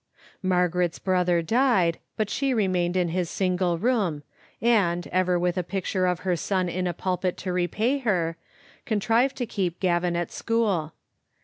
Margaret's brother died, but she remained in his single room, and, ever with a picture of her son in a pulpit to repay her, contrived to keep Gavin at school.